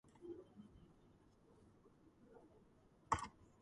რაიონი მდებარეობს ჩუის ოლქის დასავლეთ ნაწილში და თალასის ოლქის ტერიტორია ყოფს ორ ნაწილად.